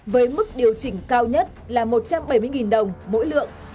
với mức điều chỉnh cao nhất là một trăm bảy mươi đồng mỗi lượng